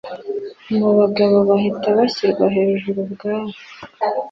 mubagabo bahita bashyirwa hejuru ubwabo